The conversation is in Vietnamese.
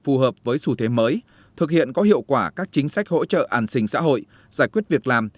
phù hợp với xu thế mới thực hiện có hiệu quả các chính sách hỗ trợ an sinh xã hội giải quyết việc làm